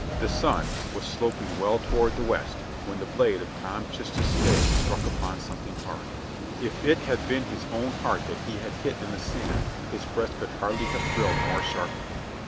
The sun was sloping well toward the west when the blade of Tom Chist's spade struck upon something hard. If it had been his own heart that he had hit in the sand his breast could hardly have thrilled more sharply.